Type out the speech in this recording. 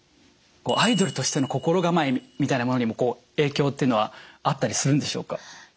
アイドルとしての心構えみたいなものにも影響っていうのはあったりするんでしょうか？